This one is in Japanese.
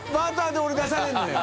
弔俺出されるのよ。